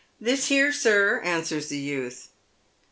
" This here, sir," answers the youth.